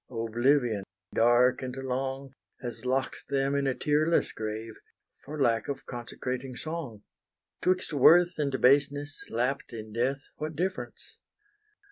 oblivion, dark and long, Has lock'd them in a tearless grave, For lack of consecrating song. 'Twixt worth and baseness, lapp'd in death, What difference?